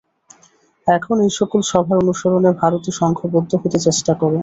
এখন এই সকল সভার অনুসরণে ভারতে সঙ্ঘবদ্ধ হতে চেষ্টা কর।